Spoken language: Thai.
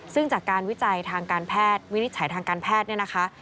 ซึ่งจากการวิจัยทางการแพทย์วินิจฉัยทางการแพทย์เนี่ยนะคะ